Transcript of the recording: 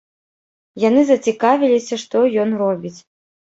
Яны зацікавіліся, што ён робіць.